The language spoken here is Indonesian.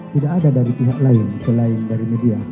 tidak ada dari pihak lain selain dari media